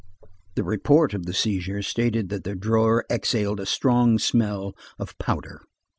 The report of the seizure stated that the drawer exhaled a strong smell of powder.